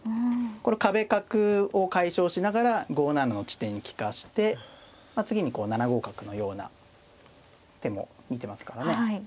この壁角を解消しながら５七の地点に利かして次に７五角のような手も見てますからね。